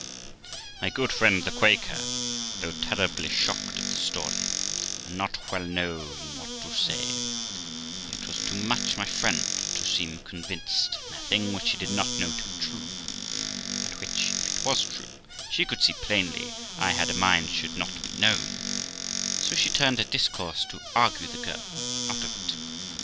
My good friend the Quaker, though terribly shocked at the story, and not well knowing what to say, yet was too much try friend to seem con vinced in a thing which she did not know to be true, and which, if it was true, she could see plainly I had a mind should not be known ; so she turned her discourse to argue the girl out of it.